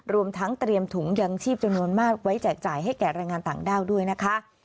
รวมทั้งเตรียมถุงยังชีพจำนวนมากไว้แจกจ่ายให้แก่แรงงานต่างด้าวด้วยนะคะ